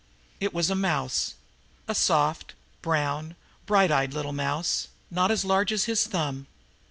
It was a mouse a soft, brown, bright eyed little mouse, not as large as his thumb.